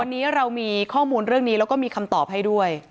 วันนี้เรามีข้อมูลเรื่องนี้แล้วก็มีคำตอบให้ด้วย